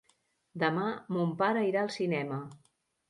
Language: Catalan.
Demà mon pare irà al cinema.